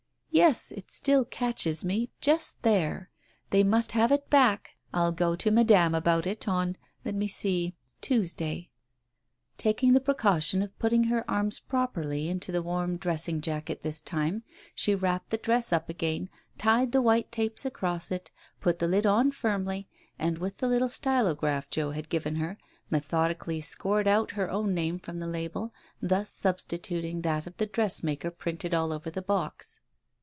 "Yes, it still catches me ... just there ! They must have it back. I'll go to Madam about it, on — let me see? — Tuesday. ..." Taking the precaution of putting her arms properly into the warm dressing jacket this time, she wrapped the dress up again, tied the white tapes across it, put the lid on firmly, and with the little stylograph Joe had given her, methodically scored out her own name from the label, thus substituting that of the dressmaker printed all over the box.